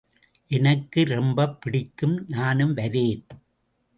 எனக்கு ரொம்பப் பிடிக்கும் நானும் வரேன்.